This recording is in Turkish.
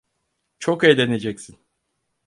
Çok eğleneceksin.